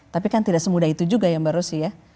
tapi kan tidak semudah itu juga ya mbak rusi ya